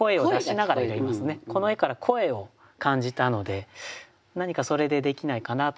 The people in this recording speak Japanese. この絵から声を感じたので何かそれでできないかなと思って。